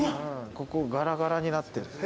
ここガラガラになってる。